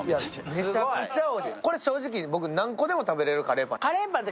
これ正直、僕、何個でも食べれるカレーパン。